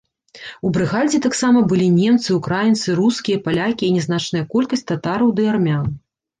У брыгадзе таксама былі немцы, украінцы, рускія, палякі і нязначная колькасць татараў ды армян.